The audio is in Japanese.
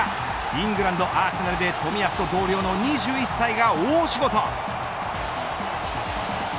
イングランド、アーセナルで冨安と同僚の２１歳が大仕事。